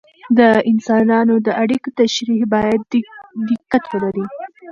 د انسانانو د اړیکو تشریح باید دقت ولري.